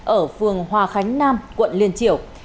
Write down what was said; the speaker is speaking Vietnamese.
ở phường hòa khánh nam quận liên triểu